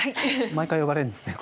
毎回呼ばれるんですね